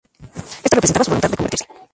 Esto representaba su voluntad de convertirse.